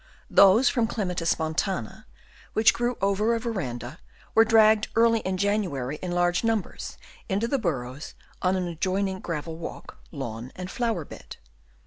Those from Clematis montana, which grew over a verandah, were dragged early in January in large numbers into the burrows on an adjoining gravel walk, lawn, and flower bed.